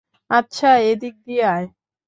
আচ্ছা, এদিক দিয়ে আয়!